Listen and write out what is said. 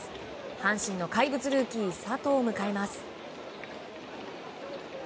阪神の怪物ルーキー佐藤を迎えます。